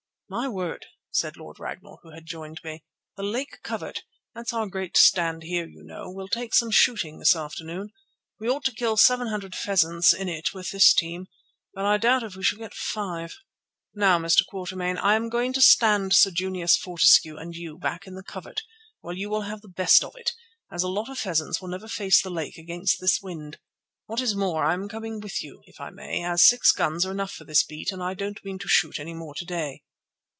"My word," said Lord Ragnall, who had joined me, "the Lake covert—that's our great stand here, you know—will take some shooting this afternoon. We ought to kill seven hundred pheasants in it with this team, but I doubt if we shall get five. Now, Mr. Quatermain, I am going to stand Sir Junius Fortescue and you back in the covert, where you will have the best of it, as a lot of pheasants will never face the lake against this wind. What is more, I am coming with you, if I may, as six guns are enough for this beat, and I don't mean to shoot any more to day."